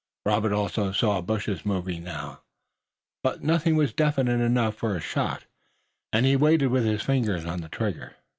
Robert also saw bushes moving now, but nothing was definite enough for a shot, and he waited with his fingers on the trigger.